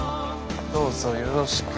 どうぞよろしく。